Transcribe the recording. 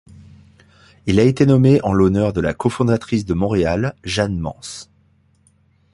Il a été nommé en l'honneur de la cofondatrice de Montréal, Jeanne Mance.